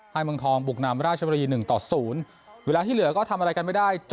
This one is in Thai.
เมืองทองบุกนำราชบุรี๑ต่อ๐เวลาที่เหลือก็ทำอะไรกันไม่ได้